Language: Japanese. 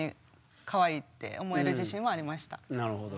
なるほど。